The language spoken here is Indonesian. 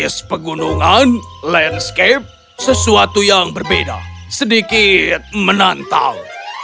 es pegunungan landscape sesuatu yang berbeda sedikit menantau